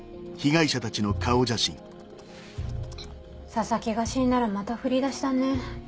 佐々木が死んだらまた振り出しだね。